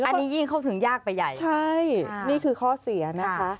อันนี้ยิ่งเข้าถึงยากไปใหญ่ใช่นี่คือข้อเสียนะคะ